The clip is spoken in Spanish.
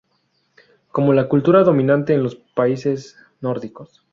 Como la cultura dominante en los países nórdicos.